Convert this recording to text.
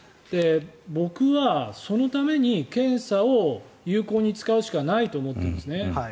僕はそのために検査を有効に使うしかないと思っているんですね。